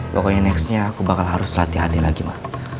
pokoknya nextnya aku bakal harus latihani lagi ma